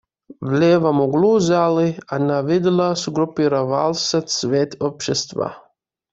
В левом углу залы, она видела, сгруппировался цвет общества.